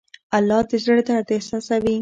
الله د زړه درد احساسوي.